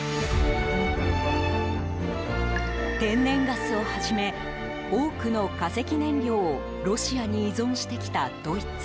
天然ガスをはじめ多くの化石燃料をロシアに依存してきたドイツ。